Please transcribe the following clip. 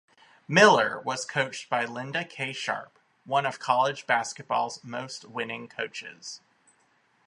Miller was coached by Linda K. Sharp, one of college basketball's most winning coaches.